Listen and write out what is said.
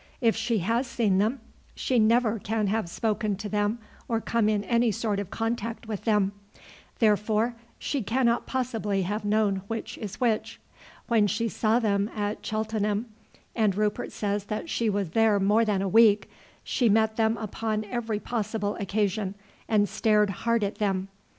If she has seen them, she never can have spoken to them or come in any sort of contact with them, therefore she cannot possibly have known which is which. When she saw them at Cheltenham, and Rupert says that she was there more than a week, she met them upon every possible occasion and stared hard at them.